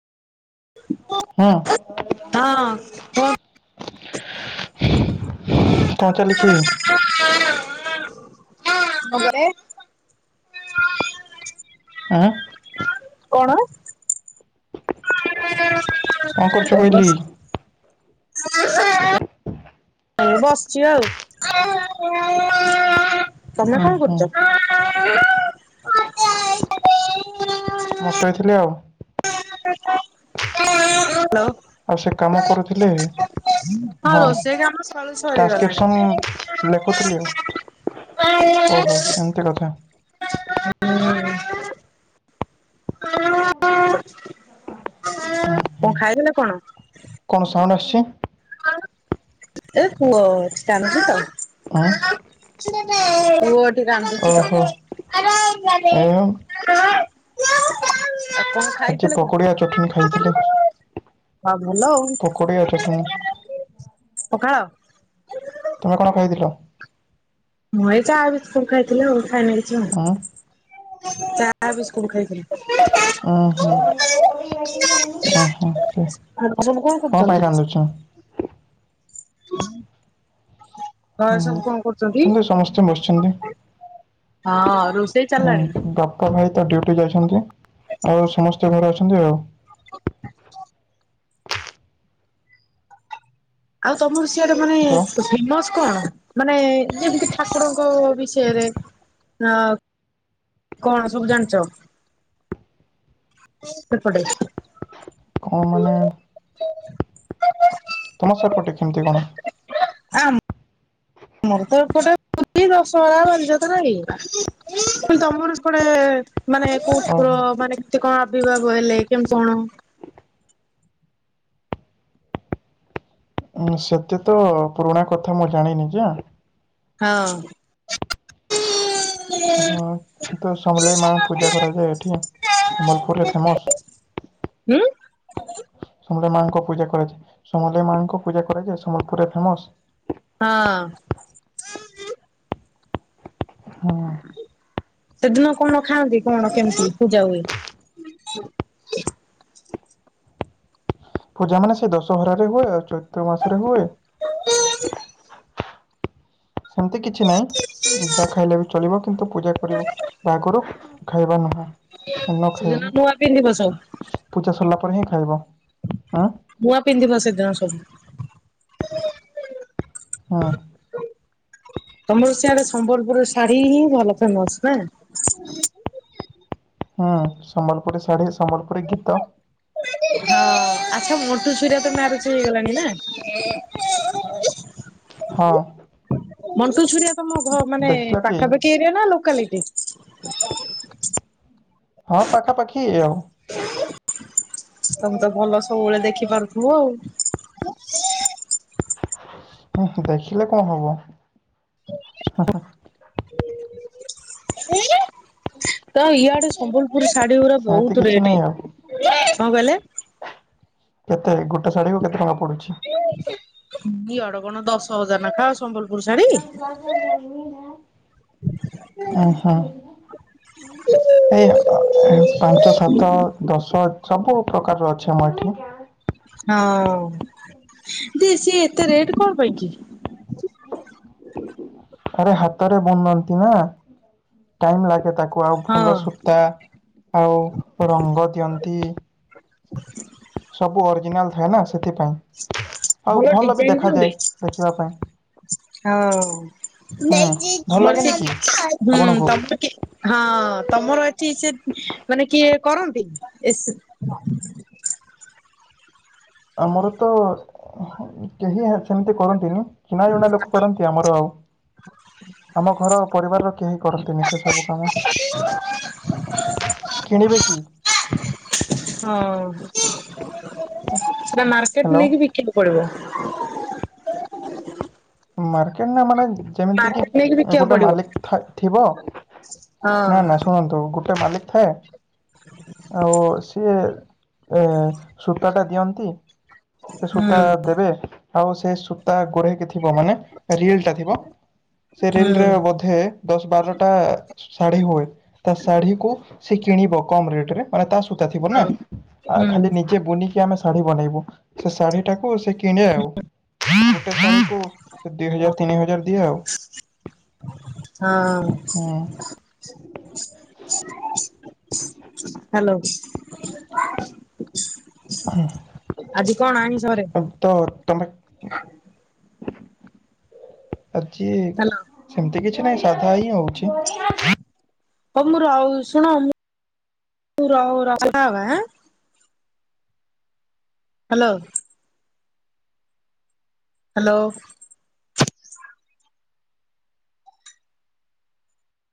ହଁ। ହଁ କୁହନ୍ତୁ କଣ ଚାଲିଛି? ଆମ ଘରେ ଆଁ କଣ? କଣ କରୁଛ କହିଲି? ମୁ ବସିଛି ଆଉ, ତମେ ଉଁ କଣ ହୁଁ କରୁଛ? [unintelligible] ମୁଁ ଶୋଇଥିଲି ଆଉ। ହାଲୋ ଆଉ ସେ କାମ କରୁଥିଲି। ହଁ ରୋଷେଇ କାମ ସଳୁ ଟ୍ରାନ୍ସକ୍ରିପସନ୍ ଲେଖୁଥିଲି ଆଉ ସରିଗଲାଣି। [unintelligible] ତେ କଥା କଣ ଖାଇଥିଲେ କଣ? କଣ ସାଉଣ୍ଡ ଆଶୁଛି। ଏ ପୁଅ ଅଛି ଟାଣିଛୁ ତ। ଆଉ ପୁଅ ଏଠି ଓହୋ କାନ୍ଦୁଚି ଏ ତପ ହଁ ଆପଣ। ଖାଇଥିଲେ ଆଜି ପକୋଡ଼ି ଆଉ ଚଟଣି କଣ ଖାଇଥିଲି ହଁ ଭଲ ପକୋଡ଼ି ଚଟଣି ଆଉ। ପଖାଳ। ତୁମେ କଣ ଖାଇଥିଲ? ମୁଁ ଏଇ ଚାହା ବିସ୍କୁଟ ଖାଇଥିଲି ଆଉ ଖାଇନି ଆଁ କିଛିଆଉ ଚା ବିସ୍କୁଟ ଖାଇଥିଲି। ଓହୋ ଓହୋ। ଆ ଆପଣ କଣ କରୁଛନ୍ତି। ଘରେ ହୁଁ ସବୁ କଣ କରୁଛନ୍ତି? ସେମିତି ସମସ୍ତେ ବସିଛନ୍ତି ହଁ ରୋଷେଇ ଚାଲାଣି। ତ ଭାଇ ତ ଡିଉଟି ଯାଇଛନ୍ତି, ଆଉ ସମସ୍ତେ ଘରେ ଅଛନ୍ତି ଆଉ ଆଉ ତମର ସିଆଡେ ମାନେ ହ୍ୟାଲୋ ଫେମସ କଣ ମାନେ ଯେମିତି ଠାକୁରଙ୍କ ବିଷୟରେ। ଆ କଣ ସବୁ ଜାଣିଚ। ସେପଟେ। ହଁ ମାନେ [inaudible] ତମ ସେପଟେ କେମିତି କଣ।? ମର ତ ଏପଟେ ଛୁଟି ଦଶହରା ବାଲିଯାତ୍ରା ଏଉରା, ମୁଁ କଲି ତମର ସେପଟେ ମାନେ କୋଉ ଓହୋ ଠାକୁର ମାନେ କେତେ କଣ ଆବିଭାବ ହେଲେ କେମିତି କଣ ସେତେ ତ ପୁରୁଣା କଥା ମୁଁ ଜାଣିନି ଯେ। ହଁ। ହଁ ତ ସମଲେଇ ମାଙ୍କୁ ପୂଜା କରାଯାଏ ଏଠି ସମ୍ବଲପୁରରେ ଫେମସ। ହୁଁ ସମଲ ମାଙ୍କ ପୂଜା କରାଯାଏ ସମଲେଇ ମାଙ୍କ ପୂଜା କରାଯାଏ ସମ୍ବଲପୁରରେ ଫେମସ ହଁ ହଁ [inaudible] ସେଦିନ କଣ ଖାଆନ୍ତି କଣ କେମିତି ପୂଜା ହୁଏ। ହୁଁ [inaudible] ପୂଜା ମାନେ ସେ ଦଶହରାରେ ହୁଏ ଆଉ ଚୈତ୍ର ମାସରେ ହୁଏ। ହୁଁ [unintelligible] ସେମିତି କିଛି ନାହିଁ ଯାହା ଖାଇଲେ ବି ଚଳିବ କିନ୍ତୁ ପୂଜା କରିବ। ବାହାଘରୁ ଖାଇବା ନୁହଁ ନ ସେଦିନ ନୂଆ ପିନ୍ଧିବ ସବୁ ଖାଇବ ପୂଜା ସରିଲା ପରେ ହିଁ ଖାଇବ ଆଁ ନୂଆ ପିନ୍ଧିବ ସେଦିନ ସବୁ ହଁ ତମର ସିଆଡେ ସମ୍ବଲପୁର ଶାଢୀ ହିଁ ଭଲ ଫେମସ ନା ହୁଁ ସମ୍ବଲପୁରୀ ଶାଢୀ, ସମ୍ବଲପୁରୀ ଗୀତ ହଁ ଆଚ୍ଛା ମୋଟୁ ଛୁରୀଆ ତ ମ୍ୟାରେଜ ହେଇଗଲାଣି ନା ହଁ ମଣ୍ଟୁ ଛୁରିଆ ତମ ଘ ମାନେ ଦେଖିଲ କି? ପାଖାପାଖି ଏରିଆ ନା ଲୋକାଲିଟି? ହଁ ପାଖାପାଖି ଇ ଆଉ। ତମେ ତ ଭଲ ସବୁବେଳେ ଦେଖିପାରୁଥିବ ଆଉ। ହୁଁ ହୁଁ ଦେଖିଲେ କଣ ହବ ହୁଁ ହୁଁ। [inaudible] [unintelligible] ତ ଇଆଡେ ସମ୍ବଲପୁରୀ ଶାଢୀ ଗୁରା ସେମିତି ବହୁତ କିଛି ରେଟ୍ ନାହିଁ ଆଉ। କଣ କହିଲେ? କେତେ ଗୋଟେ ଶାଢୀ କୁ କେତେ ଟଙ୍କା ପଡୁଛି? ଇଆଡ କଣ ଦଶ ହଜାର ନେଖା ସମ୍ବଲପୁର ଶାଢୀ। ଓ ହୋ। ଏଇ ପାଞ୍ଚ ସାତ ଦଶ ସବୁ ପ୍ରକାରର ଅଛି ଆମ ଏଠି। ହଁ ଦେ ସିଏ ଏତେ ରେଟ୍ କଣ ପାଇଁ କି? ଆରେ ହାତରେ ବନନ୍ତି ନା ଟାଇମ ଲାଗେ ତାକୁ ଆଉ ହଁ ଭଲ ସବୁ। ତା ଆଉ ରଙ୍ଗ ଦିଅନ୍ତି ସବୁ ଅରିଜିନାଲ ଥାଏ ନା ସେଥିପାଇଁ। ଆଉ ଭଲ ବି ଦେଖାଯାଏ ଦେଖିବା ପାଇଁ। ହଁ ହୁଁ ନେଇ ଭଲ ତମର ଲାଗେନି କି ଆପଣଙ୍କୁ [unintelligible] ହଁ ତମର ଏଠି ସେ ମାନେ କିଏ କରନ୍ତି ଏସି? ଆମର ତ କେହି ସେମିତି କରନ୍ତିନି ଚିନା ଜଣା ଲୋକ କରନ୍ତି ଆମର ଆଉ ଆମ ଘର ପରିବାରର କେହି କରନ୍ତିନି ସେ ସବୁ କାମ। [unintelligible] କିଣିବେ କି? ହଁ ସେଟା ମାର୍କେଟ ହ୍ୟାଲୋ ନେଇକି ବିକିବାକୁ ପଡିବ? ମାର୍କେଟ ନା ମାନେ ଯେମିତି କି ମାର୍କେଟ ନେଇକି ବିକିବାକୁ ଗୋଟେ ପଡିବ। ମାଲିକ ଥାଏ ଥିବ। ହଁ ନା ନା ଶୁଣନ୍ତୁ ଗୋଟେ ମାଲିକ ଥାଏ। ଆଉ ସିଏ ସୂତାଟା ଦିଅନ୍ତି। ସେ ହୁଁ ସୂତା ଦେବେ ଆଉ ସେ ସୂତା ଗୁରେଇକି ଥ ମାନେ ରିଲ ଟା ଥିବ ସେ ହୁଁ ରିଲ ରେ ବୋଧେ ଦଶ ବାରଟା ଶାଢ଼ୀ ହୁଏ। ତା ଶାଢୀକୁୁ ସେ କିଣିବ କମ ରେଟରେ ମାନେ ତା ସୂତା ଥିବ ନା ହଁ ଖାଲି ହୁଁ। ଯିଏ ବୁନିକି ଆମେ ଶାଢୀ ବନେଇବୁ ସେ ଶାଢୀ ଟାକୁ ସେ କିଣେ ଆଉ। ସେ ଦି ହଜାର ତିନି ହଜାର ଦିଏ ଆଉ। ହଁ। ହଁ। ହ୍ୟାଲୋ। ଆଜି କଣ ଆଇଁଷ ଘରେ? [unintelligible] ତମେ ଆଜିି। ହ୍ୟାଲୋ ସେମିତି କିଛି ନାହିଁ ସାଧା ହିଁ ହଉଛି। [unintelligible] ହ୍ୟାଲୋ। ହ୍ୟାଲୋ।